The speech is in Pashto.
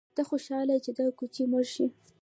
_ته خوشاله يې چې دا کوچۍ مړه شي؟